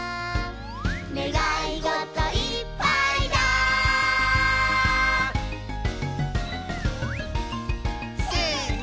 「ねがいごといっぱいだ」せの！